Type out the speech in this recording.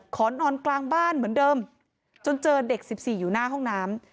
นอนกลางบ้านเหมือนเดิมจนเจอเด็ก๑๔อยู่หน้าห้องน้ำ